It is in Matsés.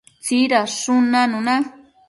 tsidadshun nanuna